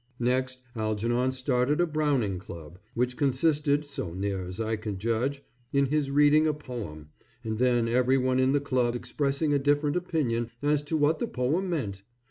Next Algernon started a Browning Club, which consisted, so near as I could judge, in his reading a poem, and then everyone in the club expressing a different opinion as to what the poem meant.